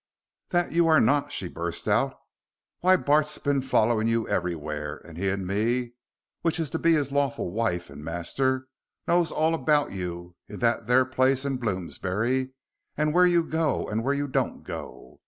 "That you are not," she burst out. "Why, Bart's been follerin' you everywhere, and he and me, which is to be his lawful wife and master, knows all about you and that there place in Bloomsbury, and where you go and where you don't go.